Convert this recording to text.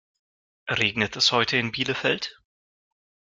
Regnet es heute in Bielefeld?